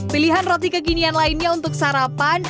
pilihan roti kekinian lainnya untuk sarapan